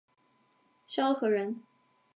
萧何人。